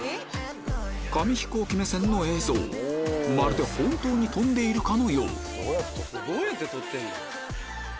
紙飛行機目線の映像まるで本当に飛んでいるかのようどうやって撮ってんの？